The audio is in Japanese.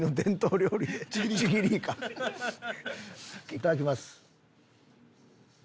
いただきます。